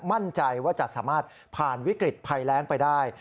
มั่นใจว่าจะสามารถผ่านวิกฤตภัยแรงไปได้